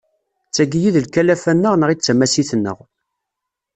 D tagi i d lkalafa-nneɣ neɣ i d tamasit-nneɣ.